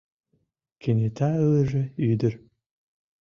— Кенета ылыже ӱдыр.